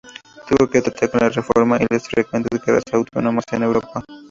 Tuvo que tratar con la Reforma y las frecuentes guerras otomanas en Europa.